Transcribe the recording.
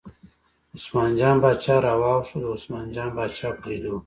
عثمان جان باچا راواوښت، د عثمان جان باچا په لیدو.